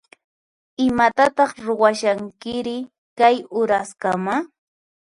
Imatataq ruwashankiri kay uraskama?